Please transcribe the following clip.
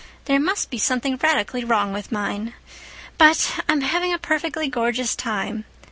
There must be something radically wrong with mine. But I'm having a perfectly gorgeous time.